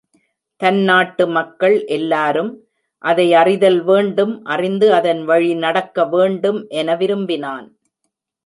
தன் நாட்டு மக்கள் எல்லாரும் அதை அறிதல் வேண்டும் அறிந்து அதன் வழி நடக்க வேண்டும் என விரும்பினான்.